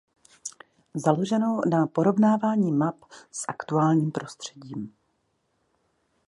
Založenou na porovnávání map s aktuálním prostředím.